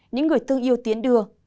những người tương yêu tiến đưa